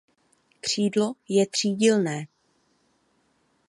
Křídlo je třídílné.